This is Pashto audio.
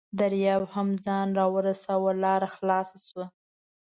دریاب هم ځان راورساوه، لاره خلاصه شوه.